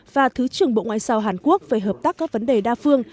và thứ trưởng bộ ngoại giao hàn quốc về hợp tác các vấn đề đa phương